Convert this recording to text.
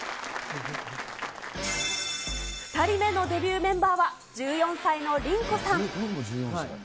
２人目のデビューメンバーは１４歳のリンコさん。